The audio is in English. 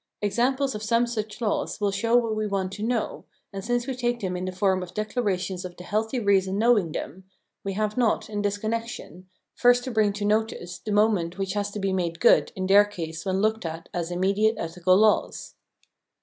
Examples of some such laws will show what we want to know, and since we take them in the form of de clarations of the healthy reason knowing them, we have not, in this comiection, first to bring to notice the moment which has to be made good in their case when looked at as immediate ethical laws.